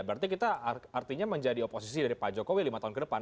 berarti kita artinya menjadi oposisi dari pak jokowi lima tahun ke depan